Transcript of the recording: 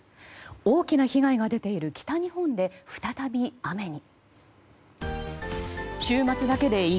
大きな被害が出ている北日本で再び雨に。